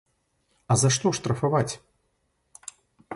А за што штрафаваць?